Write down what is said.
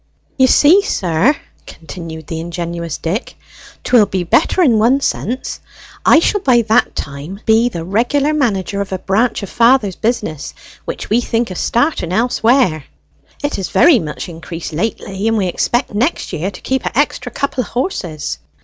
"You see, sir," continued the ingenuous Dick, "'twill be better in one sense. I shall by that time be the regular manager of a branch o' father's business, which has very much increased lately, and business, which we think of starting elsewhere. It has very much increased lately, and we expect next year to keep a' extra couple of horses.